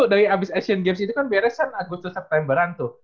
dari abis asian games itu kan beresan agustus septemberan tuh